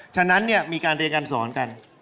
ฉะนั้นมีการเรียนการสอนกัน